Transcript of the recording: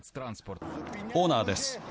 オーナーです。